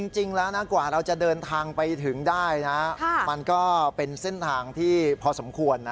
จริงแล้วนะกว่าเราจะเดินทางไปถึงได้นะมันก็เป็นเส้นทางที่พอสมควรนะ